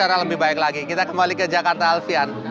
jadi kita akan lebih baik lagi kita kembali ke jakarta alfian